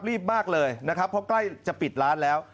มากเลยนะครับเพราะใกล้จะปิดร้านแล้ว